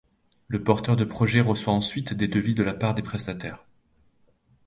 Le porteur de projets reçoit ensuite des devis de la part de prestataires.